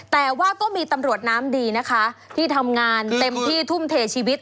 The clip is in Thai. แต่ว่าก็มีตำรวจน้ำดีนะคะที่ทำงานเต็มที่ทุ่มเทชีวิต